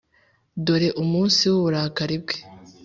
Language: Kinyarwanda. dore munsi w’uburakari bwe!